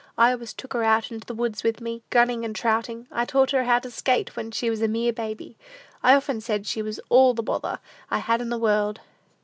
I always took her out in the woods with me, gunning and trouting. I taught her how to skate when she was a mere baby. I often said she was all the brother I had in the world!